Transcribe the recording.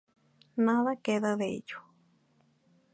Nada queda de ello.